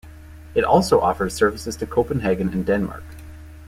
It also offers services to Copenhagen in Denmark.